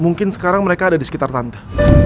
mungkin sekarang mereka ada disekitar tante